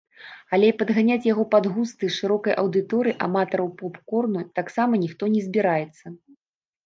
Але і падганяць яго пад густы шырокай аўдыторыі аматараў поп-корну таксама ніхто не збіраецца.